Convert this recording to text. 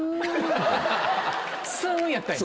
「スン」やったんや。